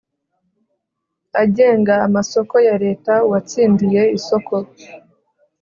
agenga amasoko ya Leta uwatsindiye isoko